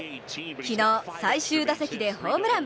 昨日、最終打席でホームラン。